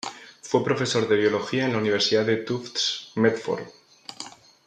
Fue profesor de biología en la Universidad de Tufts, Medford.